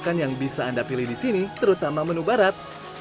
makan yang bisa anda pilih di sini terutama menu barat